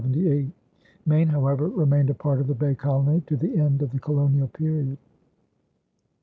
Maine, however, remained a part of the Bay Colony to the end of the colonial period.